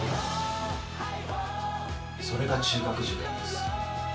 それが中学受験です。